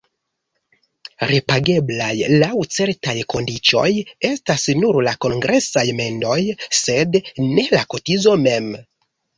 Repageblaj laŭ certaj kondiĉoj estas nur la kongresaj mendoj, sed ne la kotizo mem.